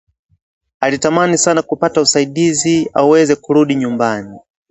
Alitamani sana kupata usaidizi aweze kurudi nyumbani